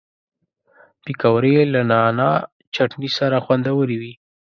پکورې له نعناع چټني سره خوندورې وي